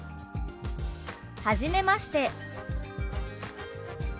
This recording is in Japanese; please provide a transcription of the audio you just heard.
「はじめまして」。